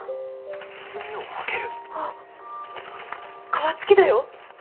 あっ皮付きだよ！